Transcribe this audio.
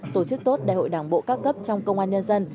tổ chức tốt đại hội đảng bộ các cấp trong công an nhân dân